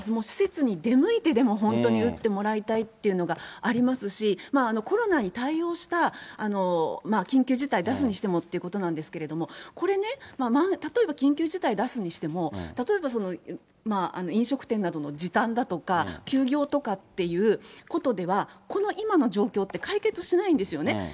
施設に出向いてでも本当に打ってもらいたいというのがありますし、コロナに対応した緊急事態出すにしてもということなんですけれども、これね、例えば緊急事態出すにしても、例えば飲食店などの時短だとか、休業とかっていうことでは、この今の状況って解決しないんですよね。